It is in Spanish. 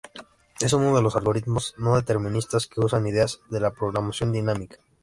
Es uno de los algoritmos no deterministas que usan ideas de la programación dinámica.